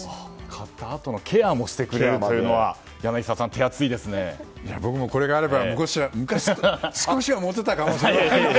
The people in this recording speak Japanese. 買ったあとのケアもしてくれるというのは僕もこれがあれば昔、少しはモテたかな。